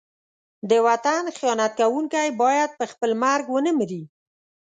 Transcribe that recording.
د وطن خیانت کوونکی باید په خپل مرګ ونه مري.